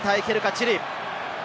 チリ。